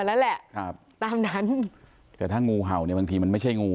แล้วแหละครับตามนั้นแต่ถ้างูเห่าเนี่ยบางทีมันไม่ใช่งู